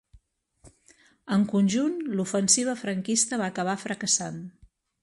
En conjunt, l'ofensiva franquista va acabar fracassant.